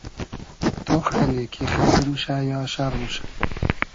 تۉخ کئنی کی خݷر موشۂ یا شئر موشۂ